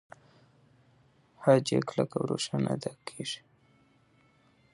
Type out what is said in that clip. خج يې کلک او روښانه ادا کېږي.